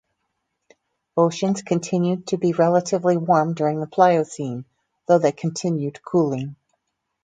Oceans continued to be relatively warm during the Pliocene, though they continued cooling.